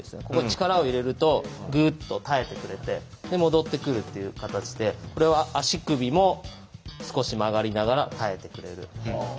ここ力を入れるとグッと耐えてくれてで戻ってくるっていう形でこれは足首も少し曲がりながら耐えてくれる。